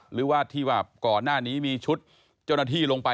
หรือว่าที่ว่าก่อนหน้านี้มีชุดเจ้าหน้าที่ลงไป